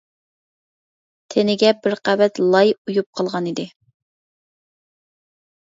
تېنىگە بىر قەۋەت لاي ئۇيۇپ قالغانىدى.